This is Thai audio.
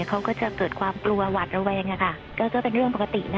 เขาก็จะเกิดความกลัวหวัดระแวงก็เป็นเรื่องปกตินะ